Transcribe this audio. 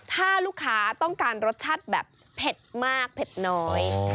ถ้าลูกค้าต้องการรสชาติแบบเผ็ดมากเผ็ดน้อย